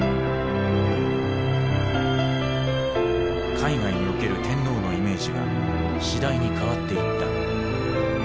海外における天皇のイメージは次第に変わっていった。